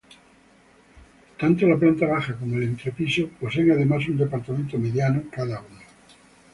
Tanto la planta baja como el entrepiso poseen además un departamento mediano cada uno.